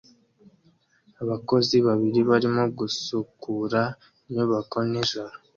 Abakozi babiri barimo gusukura inyubako nijoro